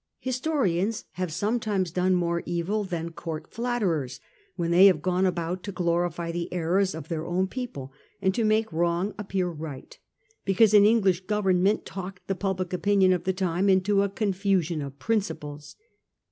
Historians have sometimes done more evil than court flatterers when they have gone about to glorify the errors of their own people, and to make wrong appear right, because an English Government talked the public opinion of the time into a confusion of principles.